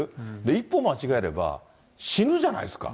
一歩間違えれば死ぬじゃないですか。